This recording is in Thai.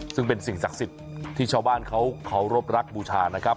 ซึ่งเป็นสิ่งศักดิ์สิทธิ์ที่ชาวบ้านเขาเคารพรักบูชานะครับ